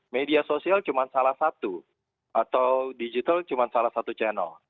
media sosial cuma salah satu atau digital cuma salah satu channel